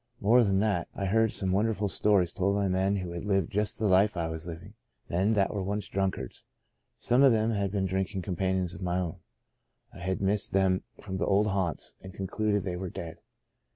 More than that, I heard some wonderful stories told by men who had lived just the life I was living — men that once were drunkards. Some of them had been drinking companions of my own. I had missed them from the old haunts, and concluded they were dead.